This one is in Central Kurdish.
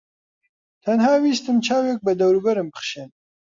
تەنها ویستم چاوێک بە دەوروبەرم بخشێنم.